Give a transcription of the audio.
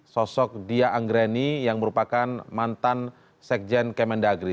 sosok dia anggreni yang merupakan mantan sekjen kemendagri